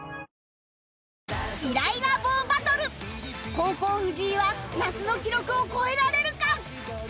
後攻藤井は那須の記録を超えられるか！？